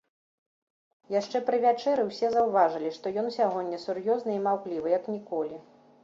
Яшчэ пры вячэры ўсе заўважылі, што ён сягоння сур'ёзны і маўклівы, як ніколі.